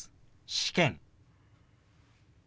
「試験」。